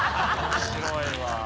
面白いわ。